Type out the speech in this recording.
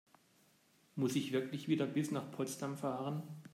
Muss ich wirklich wieder bis nach Potsdam fahren?